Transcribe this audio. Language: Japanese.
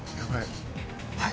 はい。